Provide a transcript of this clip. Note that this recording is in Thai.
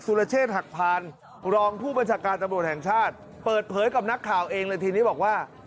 รเชษฐ์หักพานรองผู้บัญชาการตำรวจแห่งชาติเปิดเผยกับนักข่าวเองเลยทีนี้บอกว่า